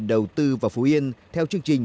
đầu tư vào phú yên theo chương trình